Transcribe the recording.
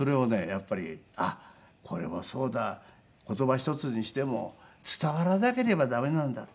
やっぱりあっこれもそうだ言葉一つにしても伝わらなければ駄目なんだ